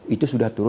itu sudah turut